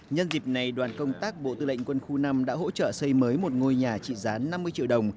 nhân dịp này đoàn công tác bộ tư lệnh quân khu năm đã hỗ trợ xây mới một ngôi nhà trị giá năm mươi triệu đồng